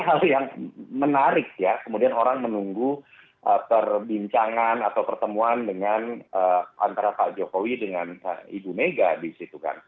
tapi yang menarik ya kemudian orang menunggu perbincangan atau pertemuan antara pak jokowi dengan ibu megawati